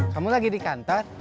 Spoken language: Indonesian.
kamu lagi di kantor